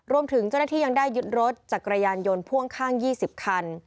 รวมถึงเจ้าหน้าที่ยังได้ยึดรถจักรยานยนต์พ่วงข้าง๒๐คัน